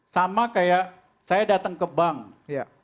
sama kayak saya datang ke bank